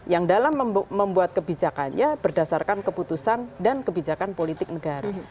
yang dalam membuat kebijakannya berdasarkan keputusan dan kebijakan politik negara